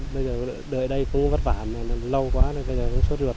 bây giờ đợi đây cũng vất vả lâu quá bây giờ cũng suốt ruột